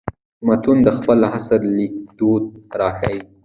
متون د خپل عصر لیکدود راښيي.